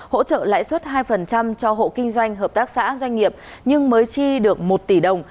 hỗ trợ lãi suất hai cho hộ kinh doanh hợp tác xã doanh nghiệp nhưng mới chi được một tỷ đồng